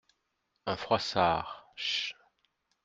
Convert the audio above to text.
un Froissart, ch.